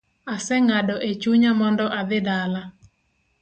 Aseng’ado echunya mondo adhi dala